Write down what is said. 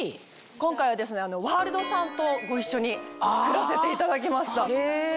今回はワールドさんとご一緒に作らせていただきました。